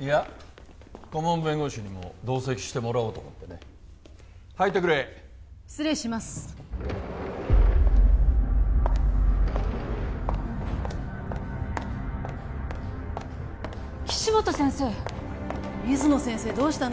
いや顧問弁護士にも同席してもらおうと思ってね入ってくれ・失礼します岸本先生水野先生どうしたの？